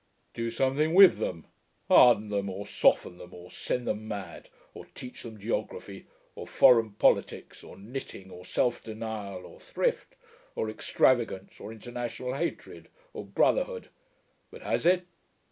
do something with them harden them, or soften them, or send them mad, or teach them geography or foreign politics or knitting or self denial or thrift or extravagance or international hatred or brotherhood. But has it?